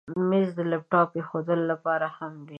مېز د لپټاپ ایښودلو لپاره هم وي.